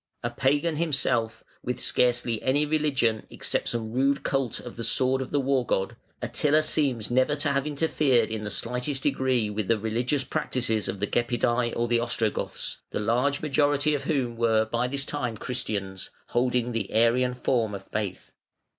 A Pagan himself, with scarcely any religion except some rude cult of the sword of the war god, Attila seems never to have interfered in the slightest degree with the religious practices of the Gepidæ or the Ostrogoths, the large majority of whom were by this time Christians, holding the Arian form of faith.